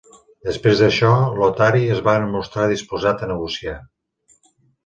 Després d'això, Lotari es va mostrar disposat a negociar.